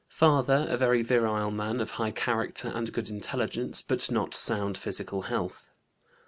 Father a very virile man of high character and good intelligence, but not sound physical health.